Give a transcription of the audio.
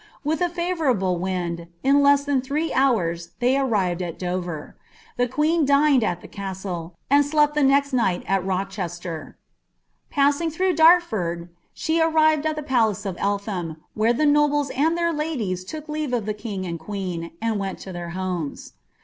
With a favourable wind, in iMi than thire houra they arrived al Dover. The queen dineil at ihe nuilo, anil »lepi (he next niufht al Rocheater. Passins through Darifurdi ■'ic arrived al the palace at Elihitm. where tlie nobles and their ladiw '. .iL leave uf llie king and queen, and went lo iheir homes.